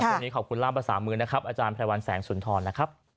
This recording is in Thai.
วันนี้ขอบคุณล่ามภาษามือนะครับอาจารย์ไพรวัลแสงสุนทรนะครับ